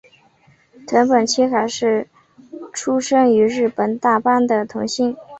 藤本七海是出身于日本大阪的童星。